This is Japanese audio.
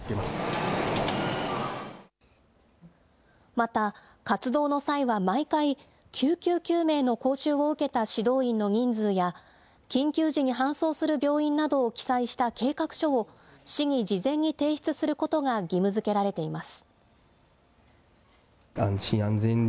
また、活動の際は毎回、救急救命の講習を受けた指導員の人数や、緊急時に搬送する病院などを記載した計画書を市に事前に提出することが義務づけられています。